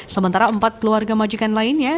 sementara empat keluarga majikan lainnya